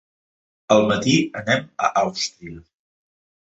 Al matí anem a Àustria.